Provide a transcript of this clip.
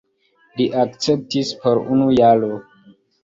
Li akceptis por unu jaro.